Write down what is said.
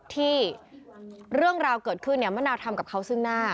ที่เรื่องราวเกิดขึ้นเนี่ยมะนาวทำกับเขาซึ่งหน้า